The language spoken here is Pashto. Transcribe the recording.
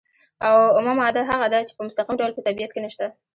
اومه ماده هغه ده چې په مستقیم ډول په طبیعت کې نشته.